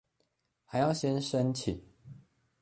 還要先申請